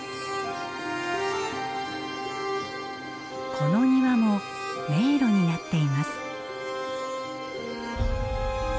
この庭も迷路になっています。